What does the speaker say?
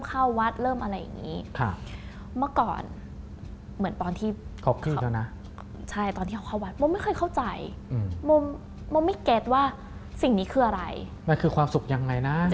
ฟาร์มาร์นิ่งค้าส่วนโม้นอะไรนึง